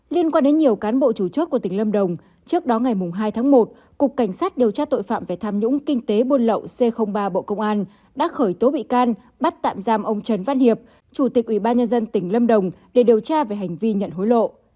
liên quan đến nhiều cán bộ chủ chốt của tỉnh lâm đồng trước đó ngày hai tháng một cục cảnh sát điều tra tội phạm về tham nhũng kinh tế buôn lậu c ba bộ công an đã khởi tố bị can bắt tạm giam ông trần văn hiệp chủ tịch ủy ban nhân dân tỉnh lâm đồng để điều tra về hành vi nhận hối lộ